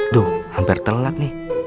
duh hampir terlelat nih